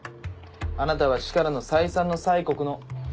あなたは市からの再三の催告の。